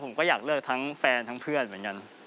ผมก็อยากเลิกทั้งแฟนทั้งเพื่อนเหมือนกัน